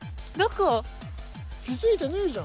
気付いてねえじゃん。